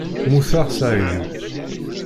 Mmuteɣ s ɛeyyu.